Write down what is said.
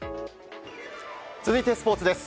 続いてスポーツです。